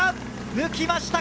抜きました！